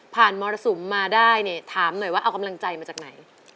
ผ่านมรสุมมาได้ถามหน่อยว่าเอากำลังใจมาจากไหน